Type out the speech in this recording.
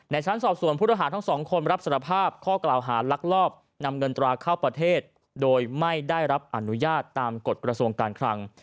ชั้นสอบส่วนผู้ต้องหาทั้งสองคนรับสารภาพข้อกล่าวหาลักลอบนำเงินตราเข้าประเทศโดยไม่ได้รับอนุญาตตามกฎกระทรวงการคลัง